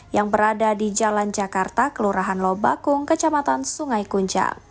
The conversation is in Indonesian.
yang berada di jalan jakarta kelurahan lobakung kecamatan sungai kunca